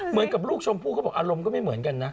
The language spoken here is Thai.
เหมือนกับลูกชมพู่เขาบอกอารมณ์ก็ไม่เหมือนกันนะ